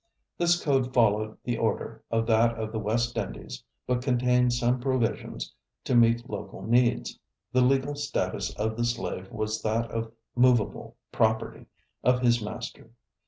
This code followed the order of that of the West Indies but contains some provisions to meet local needs. The legal status of the slave was that of movable property of his master.